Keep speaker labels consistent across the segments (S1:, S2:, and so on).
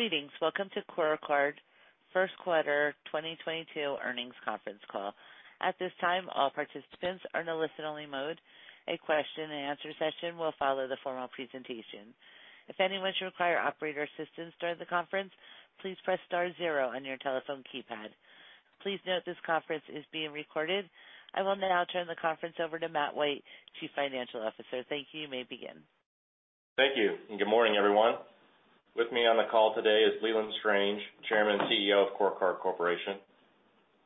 S1: Greetings. Welcome to CoreCard First Quarter 2022 earnings conference call. At this time, all participants are in a listen-only mode. A question and answer session will follow the formal presentation. If anyone should require operator assistance during the conference, please press star zero on your telephone keypad. Please note this conference is being recorded. I will now turn the conference over to Matt White, Chief Financial Officer. Thank you. You may begin.
S2: Thank you, and good morning, everyone. With me on the call today is Leland Strange, Chairman and CEO of CoreCard Corporation.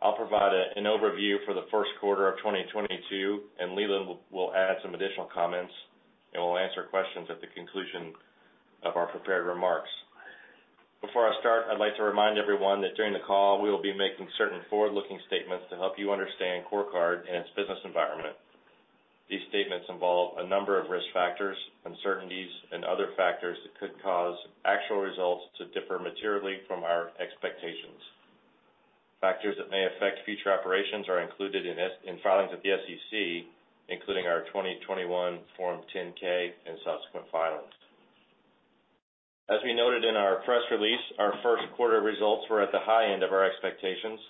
S2: I'll provide an overview for the first quarter of 2022, and Leland will add some additional comments, and we'll answer questions at the conclusion of our prepared remarks. Before I start, I'd like to remind everyone that during the call, we will be making certain forward-looking statements to help you understand CoreCard and its business environment. These statements involve a number of risk factors, uncertainties, and other factors that could cause actual results to differ materially from our expectations. Factors that may affect future operations are included in filings with the SEC, including our 2021 Form 10-K and subsequent filings. As we noted in our press release, our first quarter results were at the high end of our expectations.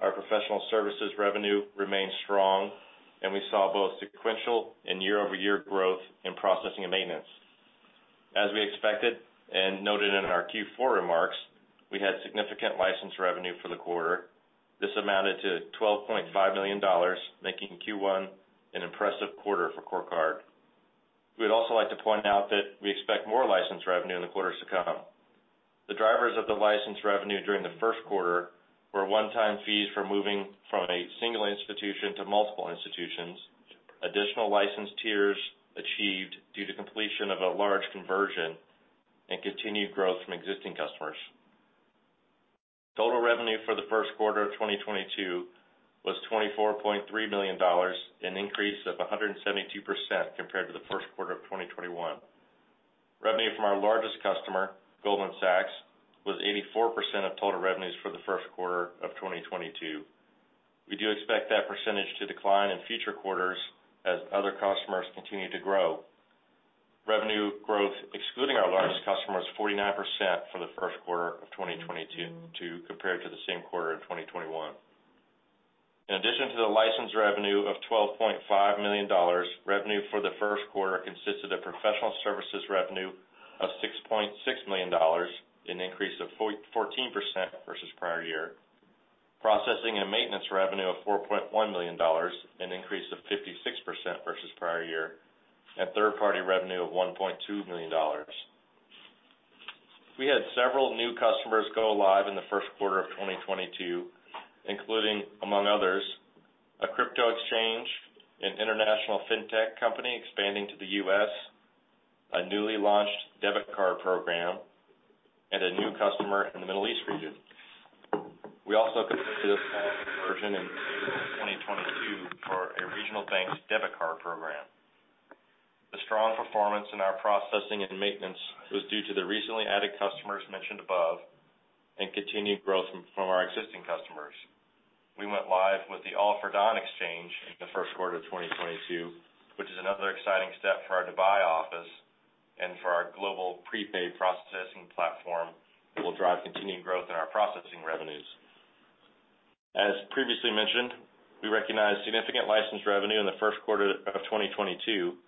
S2: Our professional services revenue remained strong, and we saw both sequential and year-over-year growth in processing and maintenance. As we expected and noted in our Q4 remarks, we had significant license revenue for the quarter. This amounted to $12.5 million, making Q1 an impressive quarter for CoreCard. We'd also like to point out that we expect more license revenue in the quarters to come. The drivers of the license revenue during the first quarter were one-time fees for moving from a single institution to multiple institutions, additional license tiers achieved due to completion of a large conversion, and continued growth from existing customers. Total revenue for the first quarter of 2022 was $24.3 million, an increase of 172% compared to the first quarter of 2021. Revenue from our largest customer, Goldman Sachs, was 84% of total revenues for the first quarter of 2022. We do expect that percentage to decline in future quarters as other customers continue to grow. Revenue growth, excluding our largest customer, is 49% for the first quarter of 2022 compared to the same quarter of 2021. In addition to the license revenue of $12.5 million, revenue for the first quarter consisted of professional services revenue of $6.6 million, an increase of 14% versus prior year, processing and maintenance revenue of $4.1 million, an increase of 56% versus prior year, and third-party revenue of $1.2 million. We had several new customers go live in the first quarter of 2022, including, among others, a crypto exchange, an international fintech company expanding to the US, a newly launched debit card program, and a new customer in the Middle East region. We also completed a conversion in 2022 for a regional bank's debit card program. The strong performance in our processing and maintenance was due to the recently added customers mentioned above and continued growth from our existing customers. We went live with the Al Fardan Exchange in the first quarter of 2022, which is another exciting step for our Dubai office and for our global prepaid processing platform that will drive continued growth in our processing revenues. As previously mentioned, we recognized significant license revenue in the first quarter of 2022.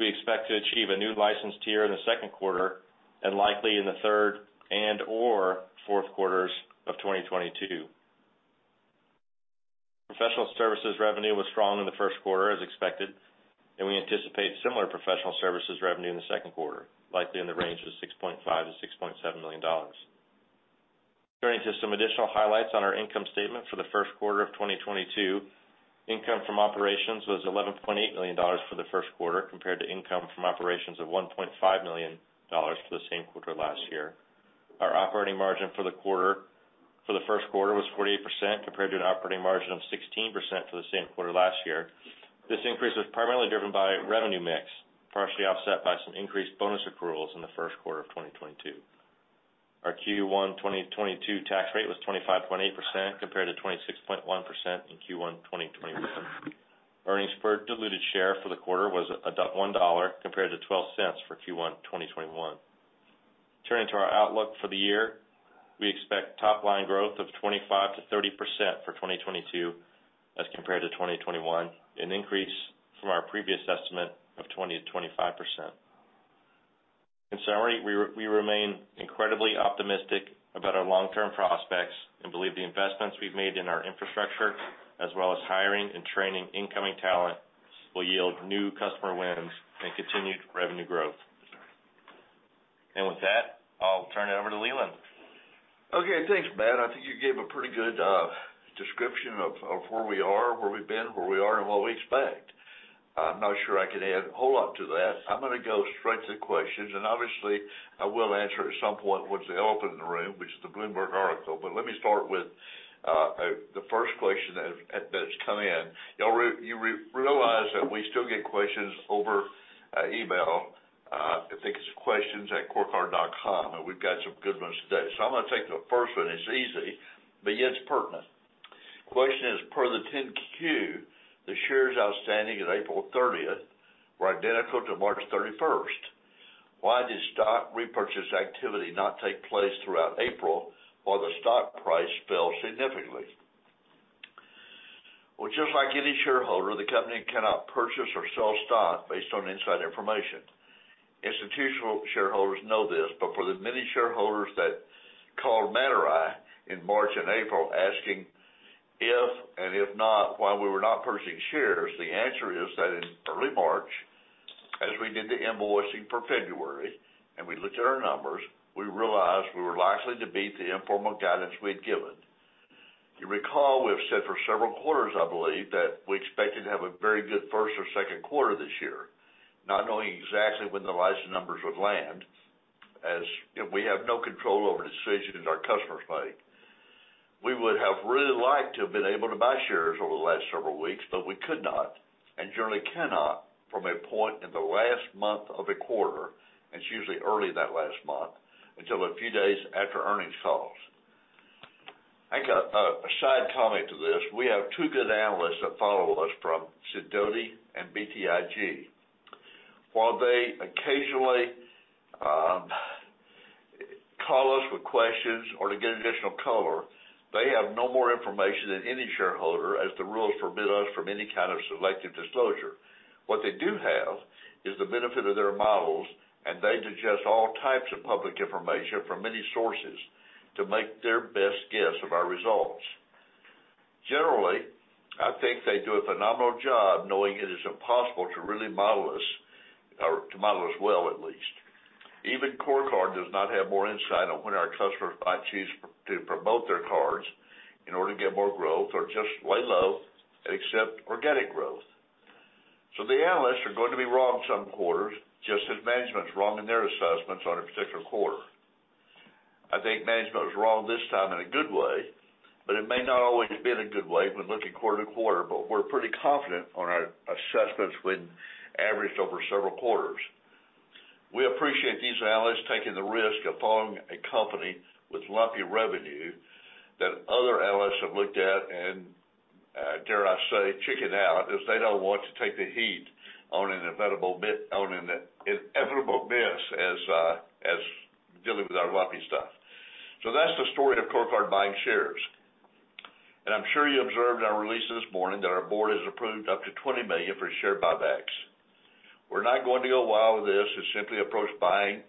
S2: We expect to achieve a new license tier in the second quarter and likely in the third and/or fourth quarters of 2022. Professional services revenue was strong in the first quarter, as expected, and we anticipate similar professional services revenue in the second quarter, likely in the range of $6.5 million-$6.7 million. Turning to some additional highlights on our income statement for the first quarter of 2022. Income from operations was $11.8 million for the first quarter, compared to income from operations of $1.5 million for the same quarter last year. Our operating margin for the first quarter was 48%, compared to an operating margin of 16% for the same quarter last year. This increase was primarily driven by revenue mix, partially offset by some increased bonus accruals in the first quarter of 2022. Our Q1 2022 tax rate was 25.8%, compared to 26.1% in Q1 2021. Earnings per diluted share for the quarter was $1 compared to $0.12 for Q1 2021. Turning to our outlook for the year, we expect top line growth of 25%-30% for 2022 as compared to 2021, an increase from our previous estimate of 20%-25%. In summary, we remain incredibly optimistic about our long-term prospects and believe the investments we've made in our infrastructure, as well as hiring and training incoming talent, will yield new customer wins and continued revenue growth. With that, I'll turn it over to Leland.
S3: Okay, thanks, Matt. I think you gave a pretty good description of where we are, where we've been, where we are, and what we expect. I'm not sure I can add a whole lot to that. I'm gonna go straight to the questions. Obviously, I will answer at some point what's the elephant in the room, which is the Bloomberg article. Let me start with the first question that has come in. You'll realize that we still get questions over email. I think it's questions at CoreCard.com, and we've got some good ones today. I'm gonna take the first one. It's easy, but yet it's pertinent. Question is, per the 10-Q, the shares outstanding at April 30 were identical to March 31. Why did stock repurchase activity not take place throughout April while the stock price fell significantly? Well, just like any shareholder, the company cannot purchase or sell stock based on inside information. Institutional shareholders know this, but for the many shareholders that called Matt White in March and April asking if and if not, why we were not purchasing shares, the answer is that in early March, as we did the invoicing for February and we looked at our numbers, we realized we were likely to beat the informal guidance we had given. You recall we have said for several quarters, I believe, that we expected to have a very good first or second quarter this year, not knowing exactly when the license numbers would land as, you know, we have no control over decisions our customers make. We would have really liked to have been able to buy shares over the last several weeks, but we could not and generally cannot from a point in the last month of a quarter, and it's usually early in that last month until a few days after earnings calls. I got a side comment to this. We have two good analysts that follow us from Sidoti and BTIG. While they occasionally call us with questions or to get additional color, they have no more information than any shareholder as the rules forbid us from any kind of selective disclosure. What they do have is the benefit of their models, and they digest all types of public information from many sources to make their best guess of our results. Generally, I think they do a phenomenal job knowing it is impossible to really model us or to model us well at least. Even CoreCard does not have more insight on when our customers might choose to promote their cards in order to get more growth or just lay low and accept organic growth. The analysts are going to be wrong some quarters, just as management's wrong in their assessments on a particular quarter. I think management was wrong this time in a good way, but it may not always have been a good way when looking quarter to quarter, but we're pretty confident on our assessments when averaged over several quarters. We appreciate these analysts taking the risk of following a company with lumpy revenue that other analysts have looked at and dare I say, chickened out as they don't want to take the heat on an inevitable miss as dealing with our lumpy stuff. That's the story of CoreCard buying shares. I'm sure you observed our release this morning that our board has approved up to $20 million for share buybacks. We're not going to go wild with this and simply approach buying.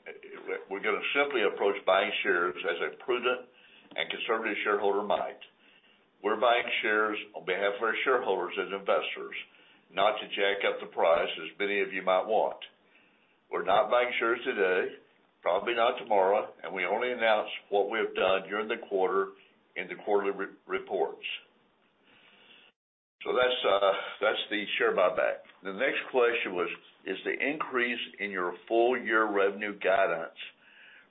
S3: We're gonna simply approach buying shares as a prudent and conservative shareholder might. We're buying shares on behalf of our shareholders and investors, not to jack up the price as many of you might want. We're not buying shares today, probably not tomorrow, and we only announce what we have done during the quarter in the quarterly reports. That's the share buyback. The next question was, is the increase in your full-year revenue guidance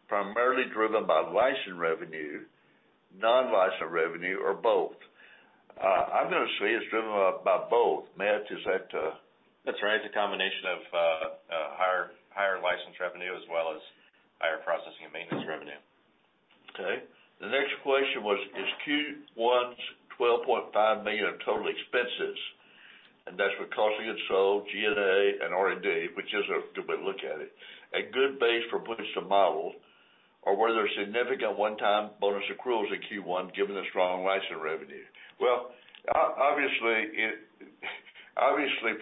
S3: primarily driven by license revenue, non-license revenue, or both? I'm gonna say it's driven by both. Matt, is that.
S2: That's right. It's a combination of higher license revenue as well as higher processing and maintenance revenue.
S3: Okay. The next question was, is Q1's $12.5 million total expenses, and that's cost of goods sold, G&A and R&D, which is a good way to look at it, a good base for putting some models or were there significant one-time bonus accruals in Q1 given the strong license revenue? Well, obviously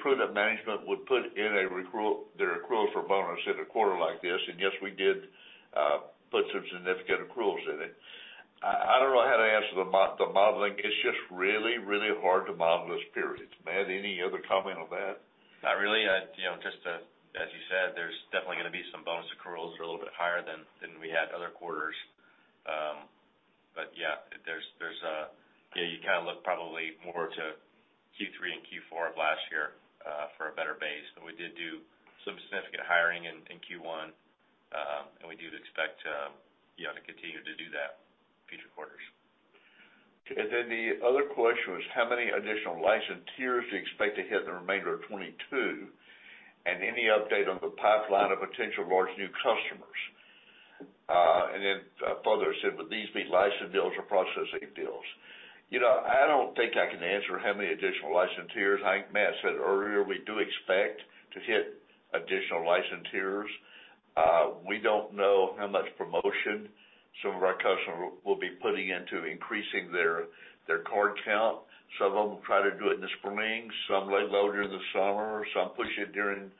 S3: prudent management would put in an accrual, the accrual for bonus in a quarter like this, and yes, we did put some significant accruals in it. I don't know how to answer the modeling. It's just really, really hard to model this period. Matt, any other comment on that?
S2: Not really. I'd, you know, just as you said, there's definitely gonna be some bonus accruals that are a little bit higher than we had other quarters. Yeah, you kind of look probably more to Q3 and Q4 of last year for a better base than we did do some significant hiring in Q1. We do expect, you know, to continue to do that future quarters.
S3: Okay. The other question was how many additional license tiers do you expect to hit in the remainder of 2022, and any update on the pipeline of potential large new customers? Further, would these be license deals or processing deals? You know, I don't think I can answer how many additional license tiers. I think Matt said earlier, we do expect to hit additional license tiers. We don't know how much promotion some of our customers will be putting into increasing their card count. Some of them try to do it in the spring, some lay low during the summer, some push it during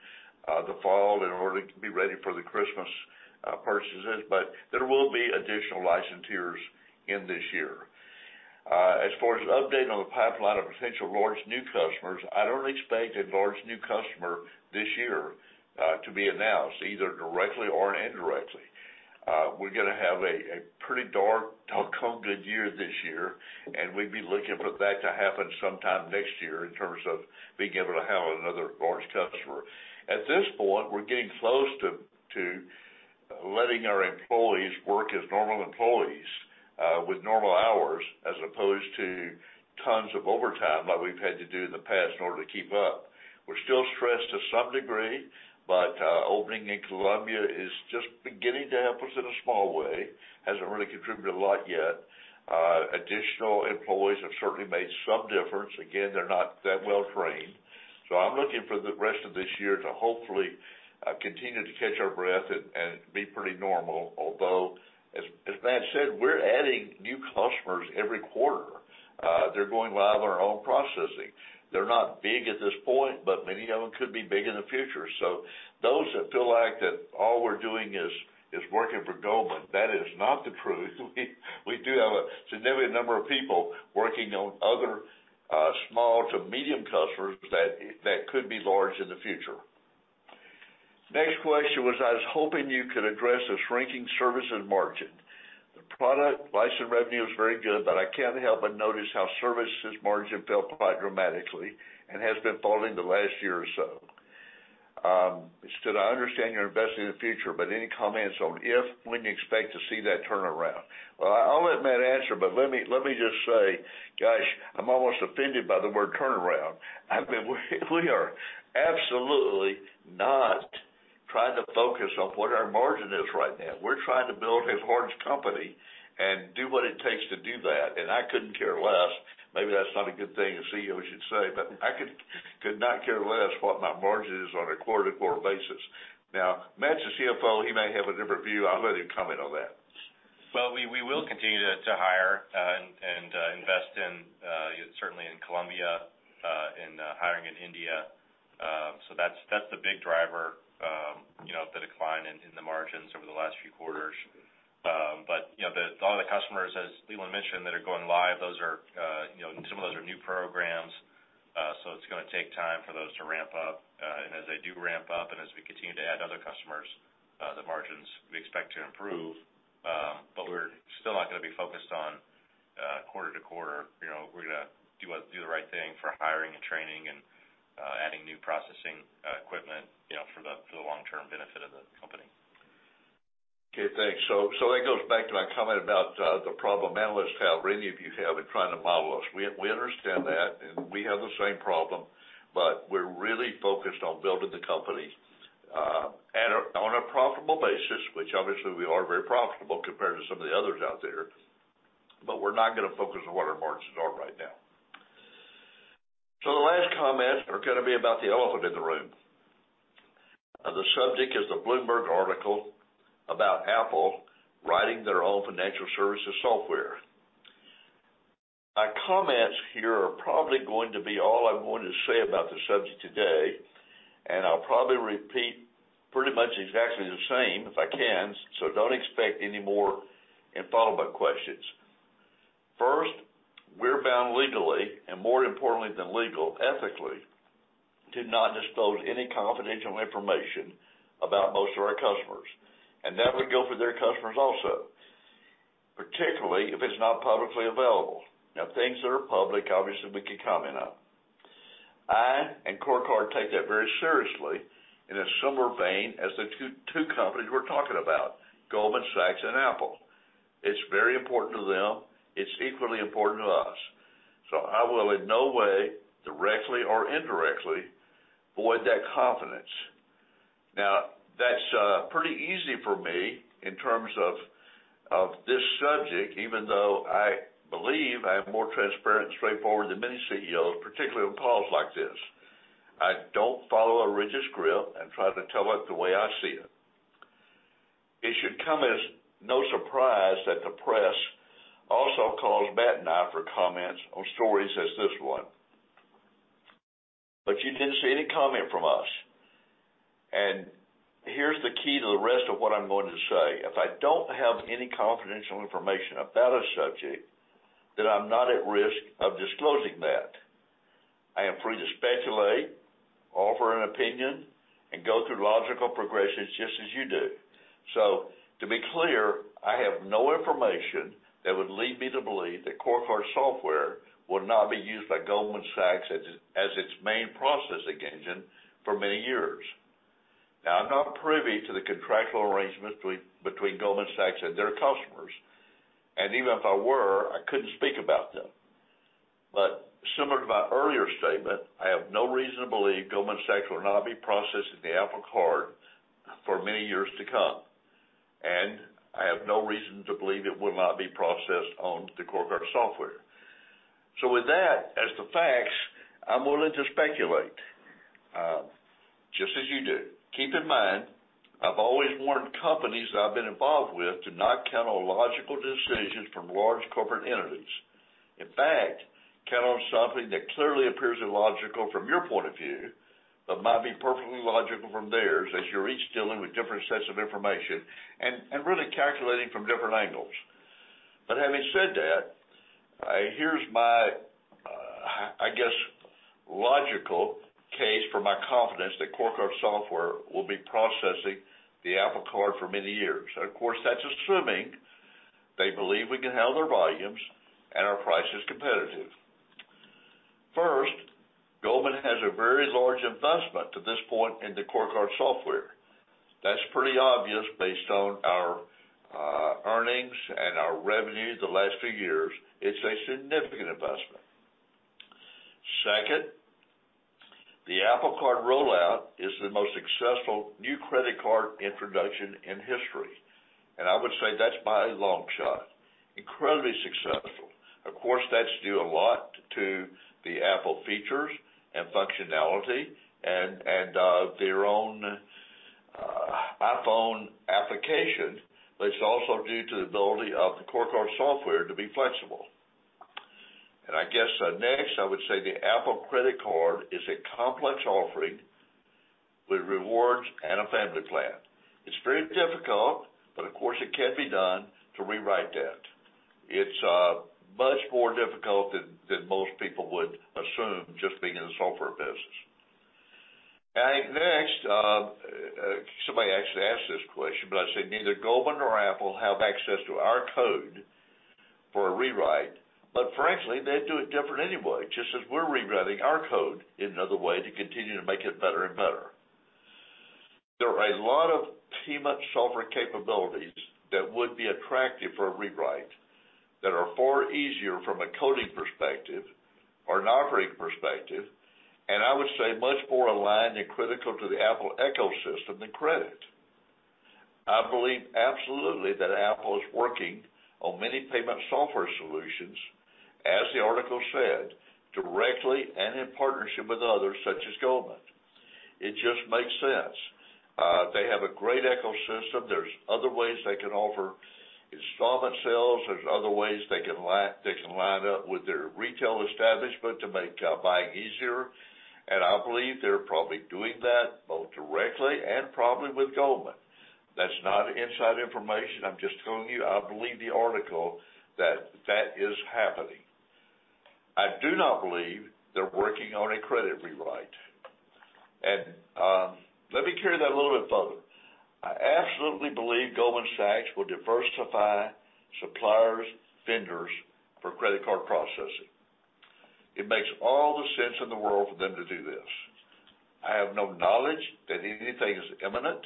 S3: the fall in order to be ready for the Christmas purchases. There will be additional license tiers in this year. As far as an update on the pipeline of potential large new customers, I don't expect a large new customer this year to be announced either directly or indirectly. We're gonna have a pretty dark COVID year this year, and we'd be looking for that to happen sometime next year in terms of being able to have another large customer. At this point, we're getting close to letting our employees work as normal employees with normal hours as opposed to tons of overtime like we've had to do in the past in order to keep up. We're still stressed to some degree, but opening in Colombia is just beginning to help us in a small way. Hasn't really contributed a lot yet. Additional employees have certainly made some difference. Again, they're not that well trained. I'm looking for the rest of this year to hopefully continue to catch our breath and be pretty normal. Although, as Matt said, we're adding new customers every quarter. They're going live on our own processing. They're not big at this point, but many of them could be big in the future. Those that feel like that all we're doing is working for Goldman, that is not the truth. We do have a significant number of people working on other small to medium customers that could be large in the future. Next question was, I was hoping you could address the shrinking services margin. The product license revenue is very good, but I can't help but notice how services margin fell quite dramatically and has been falling the last year or so? I understand you're investing in the future, but any comments on if, when you expect to see that turnaround? Well, I'll let Matt answer, but let me just say, gosh, I'm almost offended by the word turnaround. I mean, we are absolutely not trying to focus on what our margin is right now. We're trying to build a large company and do what it takes to do that. I couldn't care less. Maybe that's not a good thing a CEO should say, but I could not care less what my margin is on a quarter-to-quarter basis. Now, Matt's the CFO, he may have a different view. I'll let him comment on that.
S2: We will continue to hire and invest in certainly in Colombia and hiring in India. That's the big driver, you know, the decline in the margins over the last few quarters. You know, all the customers, as Leland mentioned, that are going live, those are, you know, some of those are new programs. It's gonna take time for those to ramp up. As they do ramp up, and as we continue to add other customers, the margins we expect to improve. We're still not gonna be focused on quarter to quarter. You know, we're gonna do the right thing for hiring and training and adding new processing equipment, you know, for the long-term benefit of the company.
S3: Okay, thanks. That goes back to my comment about the problem analysts have, or any of you have, in trying to model us. We understand that, and we have the same problem, but we're really focused on building the company on a profitable basis, which obviously we are very profitable compared to some of the others out there. We're not gonna focus on what our margins are right now. The last comments are gonna be about the elephant in the room. The subject is the Bloomberg article about Apple writing their own financial services software. My comments here are probably going to be all I'm going to say about the subject today, and I'll probably repeat pretty much exactly the same, if I can, so don't expect any more in follow-up questions. First, we're bound legally, and more importantly than legal, ethically, to not disclose any confidential information about most of our customers. That would go for their customers also, particularly if it's not publicly available. Now, things that are public, obviously, we can comment on. I and CoreCard take that very seriously in a similar vein as the two companies we're talking about, Goldman Sachs and Apple. It's very important to them. It's equally important to us. I will in no way, directly or indirectly, void that confidence. Now, that's pretty easy for me in terms of this subject, even though I believe I am more transparent and straightforward than many CEOs, particularly on calls like this. I don't follow a rigid script and try to tell it the way I see it. It should come as no surprise that the press also calls Matt and I for comments on stories as this one. You didn't see any comment from us. Here's the key to the rest of what I'm going to say. If I don't have any confidential information about a subject, then I'm not at risk of disclosing that. I am free to speculate, offer an opinion, and go through logical progressions just as you do. To be clear, I have no information that would lead me to believe that CoreCard software would not be used by Goldman Sachs as its main processing engine for many years. Now, I'm not privy to the contractual arrangements between Goldman Sachs and their customers. Even if I were, I couldn't speak about them. Similar to my earlier statement, I have no reason to believe Goldman Sachs will not be processing the Apple Card for many years to come. I have no reason to believe it will not be processed on the CoreCard software. With that as the facts, I'm willing to speculate, just as you do. Keep in mind, I've always warned companies that I've been involved with to not count on logical decisions from large corporate entities. In fact, count on something that clearly appears illogical from your point of view, but might be perfectly logical from theirs, as you're each dealing with different sets of information and really calculating from different angles. Having said that, here's my, I guess, logical case for my confidence that CoreCard software will be processing the Apple Card for many years. Of course, that's assuming they believe we can handle their volumes and our price is competitive. First, Goldman has a very large investment to this point in the CoreCard software. That's pretty obvious based on our earnings and our revenue the last few years. It's a significant investment. Second, the Apple Card rollout is the most successful new credit card introduction in history, and I would say that's by a long shot. Incredibly successful. Of course, that's due a lot to the Apple features and functionality and their own iPhone application, but it's also due to the ability of the CoreCard software to be flexible. I guess, next, I would say the Apple Card is a complex offering with rewards and a family plan. It's very difficult, but of course it can be done to rewrite that. It's much more difficult than most people would assume just being in the software business. Next, somebody actually asked this question, but I'd say neither Goldman nor Apple have access to our code for a rewrite. Frankly, they'd do it different anyway, just as we're rewriting our code in another way to continue to make it better and better. There are a lot of payment software capabilities that would be attractive for a rewrite that are far easier from a coding perspective or an operating perspective, and I would say much more aligned and critical to the Apple ecosystem than credit. I believe absolutely that Apple is working on many payment software solutions, as the article said, directly and in partnership with others such as Goldman. It just makes sense. They have a great ecosystem. There's other ways they can offer installment sales. There's other ways they can line up with their retail establishment to make buying easier. I believe they're probably doing that both directly and probably with Goldman. That's not inside information. I'm just telling you, I believe the article that that is happening. I do not believe they're working on a credit rewrite. Let me carry that a little bit further. I absolutely believe Goldman Sachs will diversify suppliers, vendors for credit card processing. It makes all the sense in the world for them to do this. I have no knowledge that anything is imminent,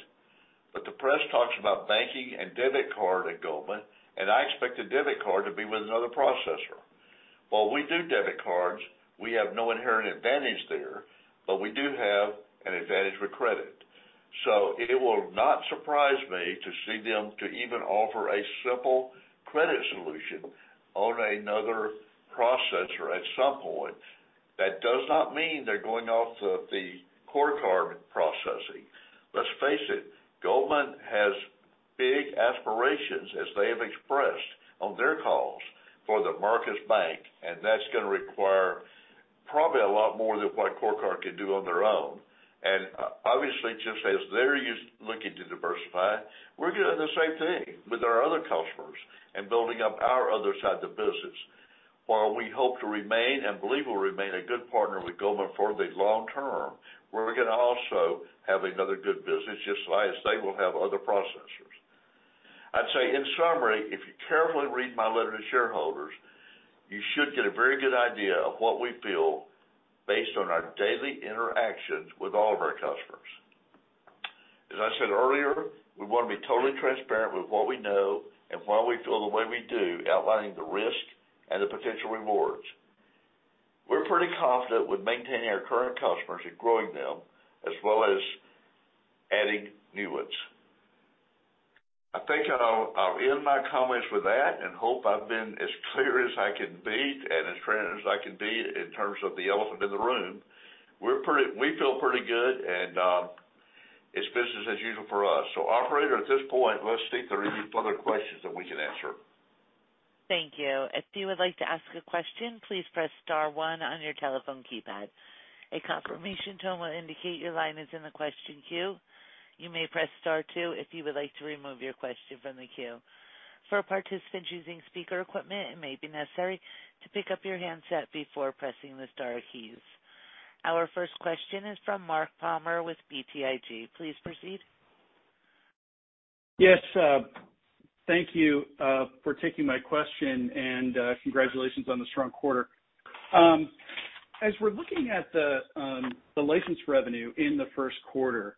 S3: but the press talks about banking and debit card at Goldman, and I expect the debit card to be with another processor. While we do debit cards, we have no inherent advantage there, but we do have an advantage with credit. It will not surprise me to see them to even offer a simple credit solution on another processor at some point. That does not mean they're going off the CoreCard processing. Let's face it, Goldman has big aspirations, as they have expressed on their calls, for the Marcus Bank, and that's gonna require probably a lot more than what CoreCard can do on their own. Obviously, just as they're looking to diversify, we're doing the same thing with our other customers and building up our other side of the business. While we hope to remain and believe we'll remain a good partner with Goldman for the long term, we're gonna also have another good business, just as they will have other processors. I'd say in summary, if you carefully read my letter to shareholders, you should get a very good idea of what we feel based on our daily interactions with all of our customers. As I said earlier, we wanna be totally transparent with what we know, and why we feel the way we do, outlining the risks and the potential rewards. We're pretty confident with maintaining our current customers and growing them, as well as adding new ones. I think I'll end my comments with that, and hope I've been as clear as I can be and as transparent as I can be in terms of the elephant in the room. We feel pretty good and it's business as usual for us. Operator, at this point, let's see if there are any further questions that we can answer.
S1: Thank you. If you would like to ask a question, please press star one on your telephone keypad. A confirmation tone will indicate your line is in the question queue. You may press star two if you would like to remove your question from the queue. For participants using speaker equipment, it may be necessary to pick up your handset before pressing the star keys. Our first question is from Mark Palmer with BTIG. Please proceed.
S4: Yes. Thank you for taking my question and congratulations on the strong quarter. As we're looking at the license revenue in the first quarter,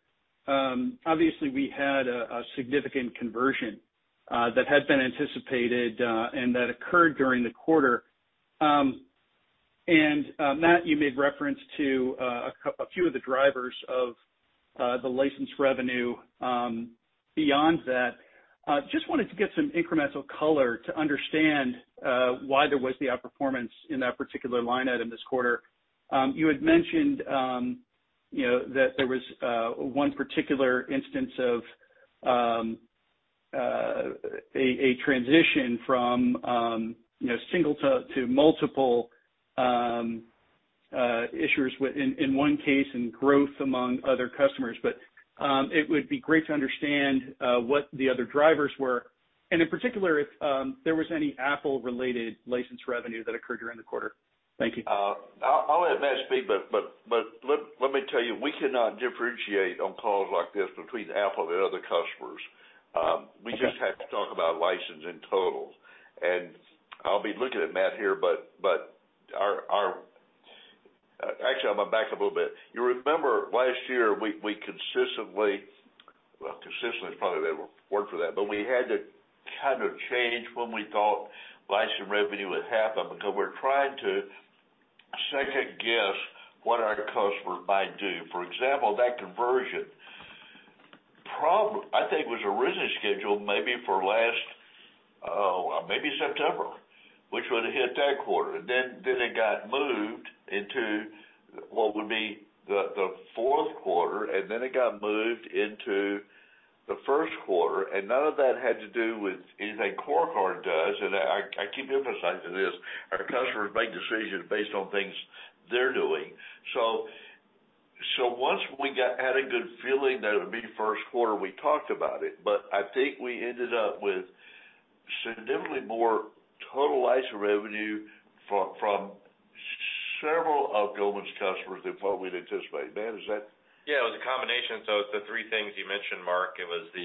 S4: obviously we had a significant conversion that had been anticipated and that occurred during the quarter. Matt, you made reference to a few of the drivers of the license revenue beyond that. Just wanted to get some incremental color to understand why there was the outperformance in that particular line item this quarter? You had mentioned, you know, that there was one particular instance of a transition from, you know, single to multiple issuers within one case, and growth among other customers. It would be great to understand what the other drivers were and in particular if there was any Apple-related license revenue that occurred during the quarter? Thank you.
S3: I'll let Matt speak, but let me tell you, we cannot differentiate on calls like this between Apple and other customers. We just have to talk about license in total. I'll be looking at Matt here, but a little bit. You remember last year, we consistently. Well, consistently is probably the word for that, but we had to kind of change when we thought license revenue would happen because we're trying to second guess what our customer might do. For example, that conversion. I think was originally scheduled maybe for last September, which would have hit that quarter. Then it got moved into what would be the fourth quarter, and then it got moved into the first quarter. None of that had to do with anything CoreCard does. I keep emphasizing this, our customers make decisions based on things they're doing. So once we had a good feeling that it would be first quarter, we talked about it. But I think we ended up with significantly more total license revenue from several of Goldman Sachs's customers than what we'd anticipated. Matt, is that?
S2: Yeah, it was a combination. It's the three things you mentioned, Mark. It was the,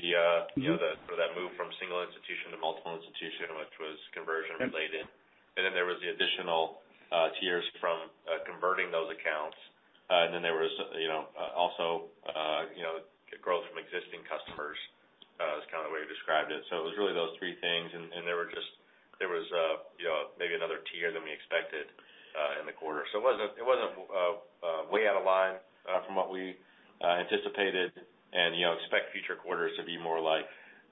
S2: you know, for that move from single institution to multiple institution, which was conversion related. Then there was the additional, tiers from, converting those accounts. Then there was, you know, also, you know, growth from existing customers, is kind of the way you described it. It was really those three things. There was, you know, maybe another tier than we expected, in the quarter. It wasn't way out of line, from what we anticipated and, you know, expect future quarters to be more like,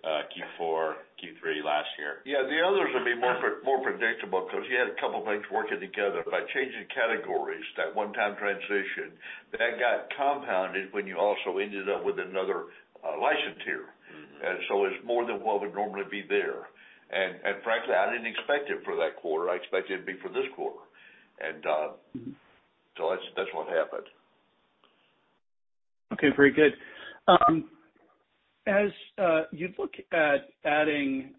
S2: Q4, Q3 last year.
S3: Yeah, the others will be more predictable because you had a couple things working together. By changing categories, that one-time transition, that got compounded when you also ended up with another license tier.
S2: Mm-hmm.
S3: It's more than what would normally be there. Frankly, I didn't expect it for that quarter. I expect it to be for this quarter.
S2: Mm-hmm.
S3: That's what happened.
S4: Okay, very good. As you look at adding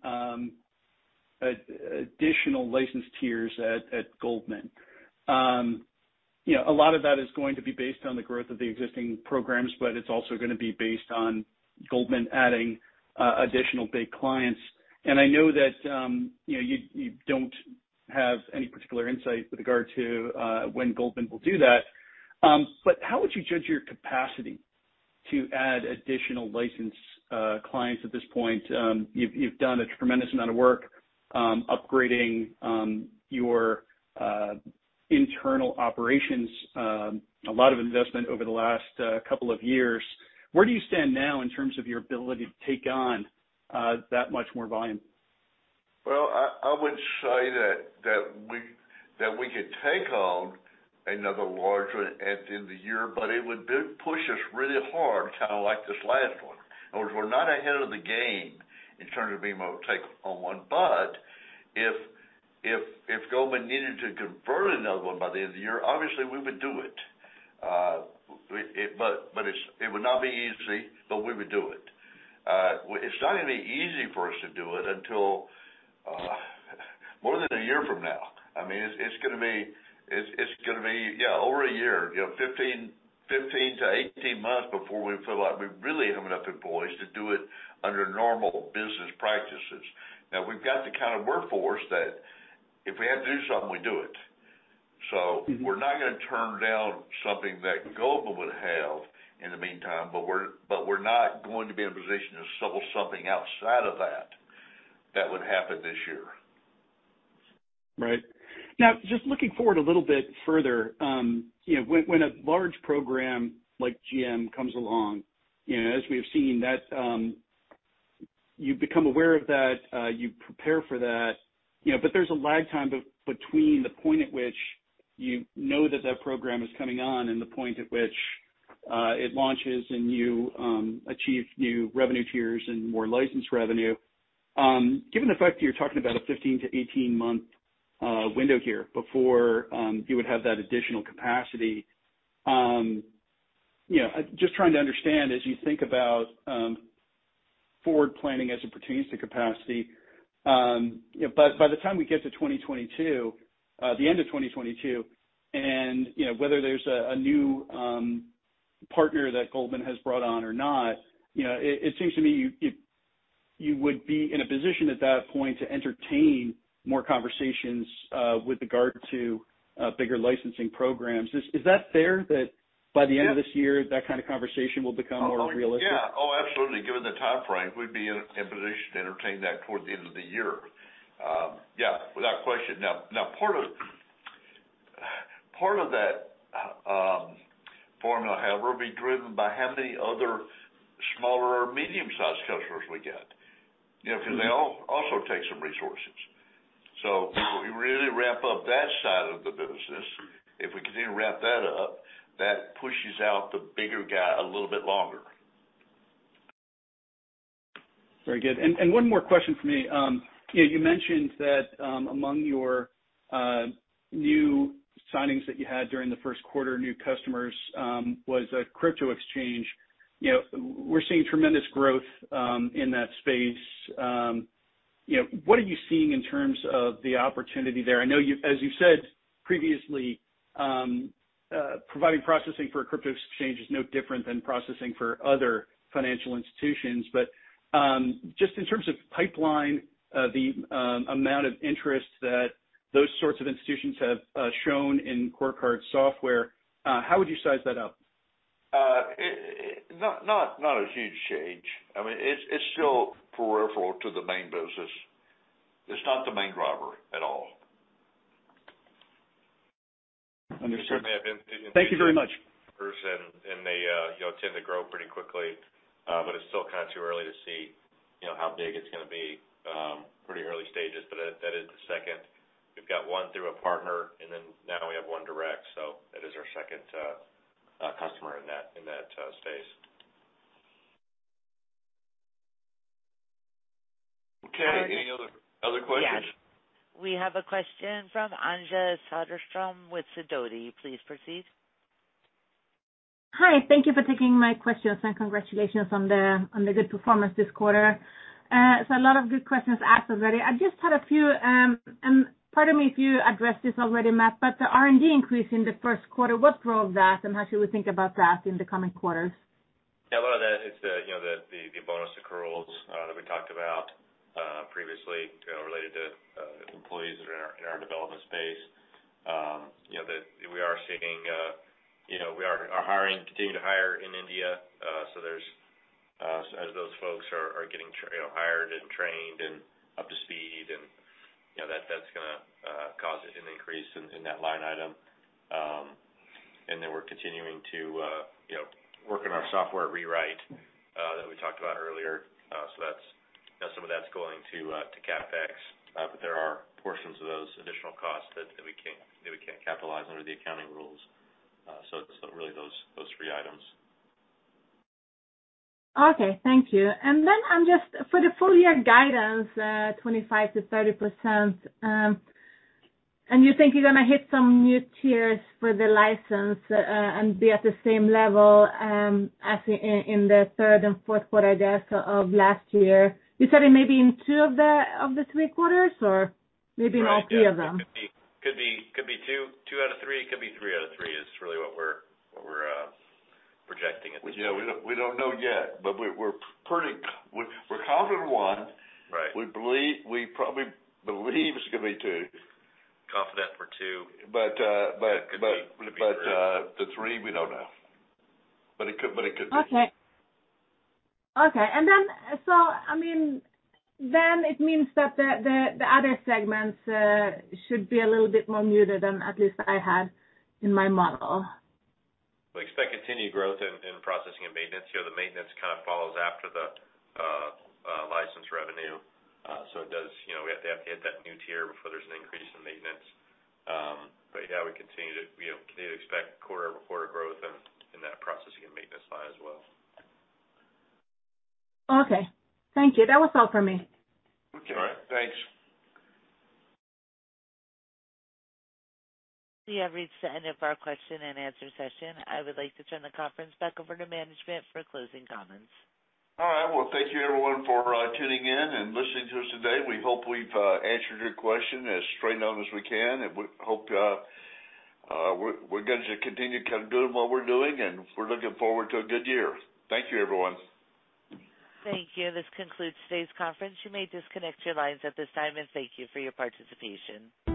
S4: additional license tiers at Goldman, you know, a lot of that is going to be based on the growth of the existing programs, but it's also gonna be based on Goldman adding additional big clients. I know that, you know, you don't have any particular insight with regard to when Goldman will do that. How would you judge your capacity to add additional license clients at this point? You've done a tremendous amount of work upgrading your internal operations, a lot of investment over the last couple of years. Where do you stand now in terms of your ability to take on that much more volume?
S3: Well, I would say that we could take on another large one at the end of the year, but it would push us really hard, kind of like this last one. In other words, we're not ahead of the game in terms of being able to take on one. If Goldman Sachs needed to convert another one by the end of the year, obviously we would do it. It would not be easy, but we would do it. It's not gonna be easy for us to do it until more than a year from now. I mean, it's gonna be over a year. You know, 15-18 months before we feel like we really have enough employees to do it under normal business practices. Now, we've got the kind of workforce that if we had to do something, we do it. We're not gonna turn down something that Goldman would have in the meantime, but we're not going to be in a position to sell something outside of that that would happen this year.
S4: Right. Now, just looking forward a little bit further, you know, when a large program like GM comes along, you know, as we've seen, that you become aware of that, you prepare for that. You know, but there's a lag time between the point at which you know that that program is coming on and the point at which it launches and you achieve new revenue tiers and more license revenue. Given the fact that you're talking about a 15-18-month window here before you would have that additional capacity. You know, just trying to understand as you think about forward planning as it pertains to capacity. You know, by the time we get to 2022, the end of 2022, and you know, whether there's a new partner that Goldman has brought on or not, you know, it seems to me you would be in a position at that point to entertain more conversations with regard to bigger licensing programs. Is that fair that by the end of this year, that kind of conversation will become more realistic?
S3: Yeah. Oh, absolutely. Given the timeframe, we'd be in a position to entertain that toward the end of the year. Yeah, without question. Now, part of that formula, however, will be driven by how many other smaller or medium-sized customers we get. You know, because they all also take some resources. If we really ramp up that side of the business, if we continue to ramp that up, that pushes out the bigger guy a little bit longer.
S4: Very good. One more question for me. You know, you mentioned that, among your new signings that you had during the first quarter, new customers, was a crypto exchange. You know, we're seeing tremendous growth in that space. You know, what are you seeing in terms of the opportunity there? I know you as you said previously, providing processing for a crypto exchange is no different than processing for other financial institutions. Just in terms of pipeline, the amount of interest that those sorts of institutions have shown in CoreCard's software, how would you size that up?
S3: Not a huge change. I mean, it's still peripheral to the main business. It's not the main driver at all.
S4: Understood. Thank you very much.
S2: They you know tend to grow pretty quickly. But it's still kind of too early to see, you know, how big it's gonna be. Pretty early stages, but that is the second. We've got one through a partner, and then now we have one direct, so that is our second customer in that space.
S3: Okay. Any other questions?
S1: Yes. We have a question from Anja Soderstrom with Sidoti. Please proceed.
S5: Hi. Thank you for taking my questions and congratulations on the good performance this quarter. A lot of good questions asked already. I just had a few. Pardon me, if you addressed this already, Matt, but the R&D increase in the first quarter, what drove that? And how should we think about that in the coming quarters?
S2: Yeah, a lot of that is the, you know, the bonus accruals that we talked about previously, you know, related to employees in our development space. You know, that we are seeing we are hiring, continuing to hire in India. So there's as those folks are getting, you know, hired and trained and up to speed and, you know, that's gonna cause an increase in that line item. And then we're continuing to you know, work on our software rewrite that we talked about earlier. So that's, you know, some of that's going to CapEx. But there are portions of those additional costs that we can't capitalize under the accounting rules. So it's really those three items.
S5: Okay, thank you. I'm just for the full year guidance, 25%-30%, and you think you're gonna hit some new tiers for the license, and be at the same level, as in the third and fourth quarter, I guess, of last year. You said it may be in two of the three quarters or maybe in all three of them?
S2: Right. Yeah. It could be two out of three. It could be three out of three, is really what we're projecting at this point.
S3: Yeah, we don't know yet, but we're counting one.
S2: Right.
S3: We probably believe it's gonna be two.
S2: Confident for two.
S3: But, uh, but-
S2: Could be three.
S3: The three, we don't know. It could be.
S5: I mean, it means that the other segments should be a little bit more muted than at least I had in my model?
S2: We expect continued growth in processing and maintenance. You know, the maintenance kind of follows after the license revenue. You know, we have to hit that new tier before there's an increase in maintenance. We continue to expect quarter-over-quarter growth in that processing and maintenance line as well.
S5: Okay. Thank you. That was all for me.
S3: Okay.
S2: All right.
S3: Thanks.
S1: We have reached the end of our question and answer session. I would like to turn the conference back over to management for closing comments.
S3: All right. Well, thank you everyone for tuning in and listening to us today. We hope we've answered your question as straight on as we can. We hope we're going to continue kind of doing what we're doing, and we're looking forward to a good year. Thank you, everyone.
S1: Thank you. This concludes today's conference. You may disconnect your lines at this time, and thank you for your participation.